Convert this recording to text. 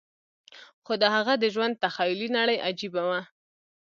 خو د هغه د ژوند تخيلي نړۍ عجيبه وه.